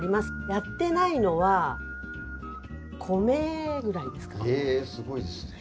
やってないのは米ぐらいですかね。